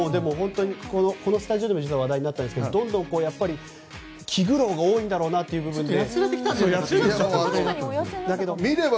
このスタジオでも話題になったんですがどんどん気苦労が多いんだろうなということで。